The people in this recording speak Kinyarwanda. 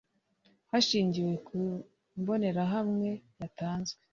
hashingiwe ku mbonerahamwe yatanzwe